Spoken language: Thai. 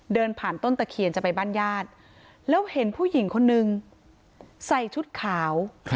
เดินผ่านต้นตะเคียนจะไปบ้านญาติแล้วเห็นผู้หญิงคนนึงใส่ชุดขาว